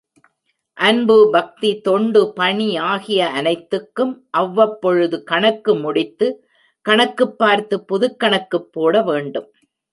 அன்பு பக்தி தொண்டு பணி ஆகிய அனைத்துக்கும் அவ்வபொழுது கணக்கு முடித்து கணக்கு பார்த்து புதுக்கணக்கு போடவேண்டும்.